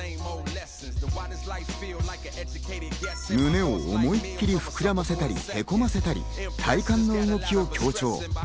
胸を思いっきり膨らませたり、へこませたり、体幹の動きを強調。